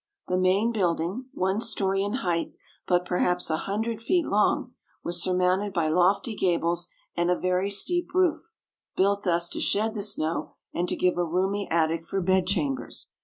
The main building, one story in height but perhaps a hundred feet long, was surmounted by lofty gables and a very steep roof, built thus to shed the snow and to give a roomy attic for bed chambers.